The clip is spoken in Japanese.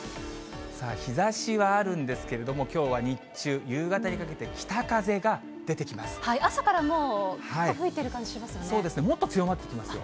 日ざしはあるんですけれども、きょうは日中、夕方にかけて、朝からもう吹いてる感じしまそうですね、もっと強まってきますよ。